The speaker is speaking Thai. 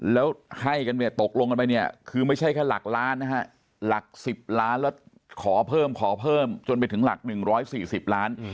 แล้วให้กันเนี่ยตกลงกันไปเนี่ยคือไม่ใช่แค่หลักล้านนะฮะหลัก๑๐ล้านแล้วขอเพิ่มขอเพิ่มจนไปถึงหลัก๑๔๐ล้าน